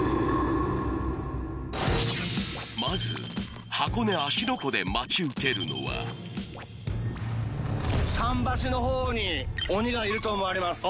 まず箱根芦ノ湖で待ち受けるのは桟橋の方に鬼がいると思われます